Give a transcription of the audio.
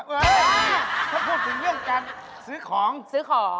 เออถ้าพูดถึงเรื่องการซื้อของซื้อของ